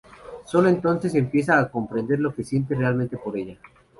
Sólo entonces empieza a comprender lo que siente realmente por ella.